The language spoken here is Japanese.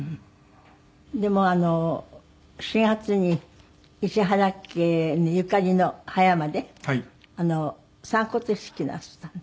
でもあの４月に石原家にゆかりの葉山で散骨式なすったの？